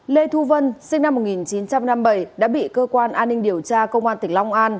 lê thu vân sinh năm một nghìn chín trăm năm mươi bảy đã bị cơ quan an ninh điều tra công an tỉnh long an